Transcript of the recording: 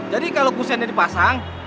jadi kalau pusennya dipasang